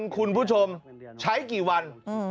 คุณผู้ชมใช้กี่วัน